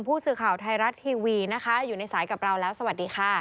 ผู้สื่อข่าวไทยรัฐทีวีนะคะอยู่ในสายกับเราแล้วสวัสดีค่ะ